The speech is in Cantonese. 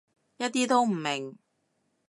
一啲都唔明